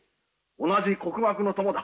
同じ国学の友だ。